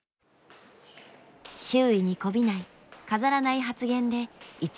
周囲にこびない飾らない発言で一躍時の人に。